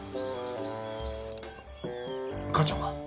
母ちゃんは？